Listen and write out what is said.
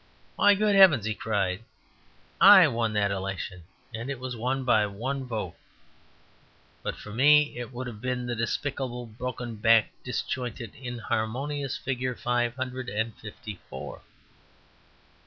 "Why, good heavens!" he cried. "I won that election; and it was won by one vote! But for me it would have been the despicable, broken backed, disjointed, inharmonious figure five hundred and fifty four.